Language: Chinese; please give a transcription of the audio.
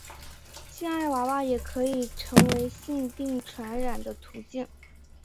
性爱娃娃也可能成为性病传染的途径。